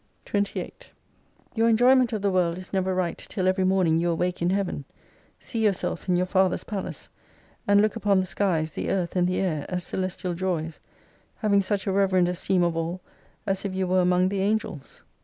•'28. Your enjoyment of the world is never right till every morning you awake in Heaven ; see yourself in your Father's Palace ; and look upon the skies, the earth, and the air, as Celestial Joys : having such a reverend esteem of all, as if you were among the Angels.